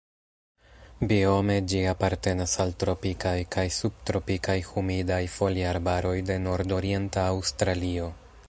Biome ĝi apartenas al tropikaj kaj subtropikaj humidaj foliarbaroj de nordorienta Aŭstralio.